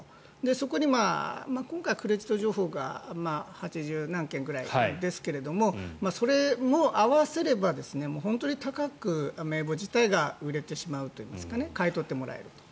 そこに今回はクレジット情報が８０何件ぐらいですがそれも合わせれば本当に高く名簿自体が売れてしまうといいますか買い取ってもらえると。